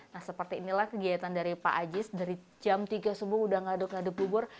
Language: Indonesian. nah seperti inilah kegiatan dari pak ajis dari jam tiga sebuah sudah mengaduk aduk bubur